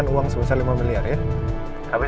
dua puluh tujuh tahun berhaul yang kuat